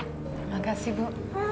terima kasih bu